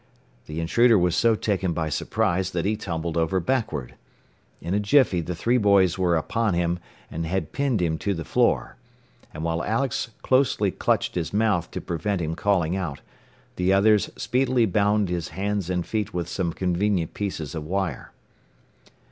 The intruder was so taken by surprise that he tumbled over backward. In a jiffy the three boys were upon him, and had pinned him to the floor; and while Alex closely clutched his mouth, to prevent him calling out, the others speedily bound his hands and feet with some convenient pieces of wire.